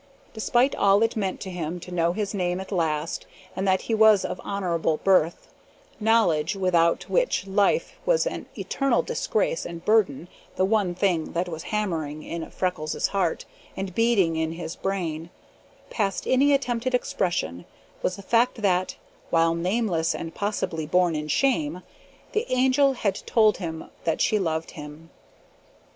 Despite all it meant to him to know his name at last, and that he was of honorable birth knowledge without which life was an eternal disgrace and burden the one thing that was hammering in Freckles' heart and beating in his brain, past any attempted expression, was the fact that, while nameless and possibly born in shame, the Angel had told him that she loved him.